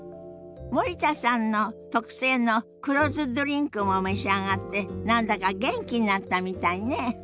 森田さんの特製の黒酢ドリンクも召し上がって何だか元気になったみたいね。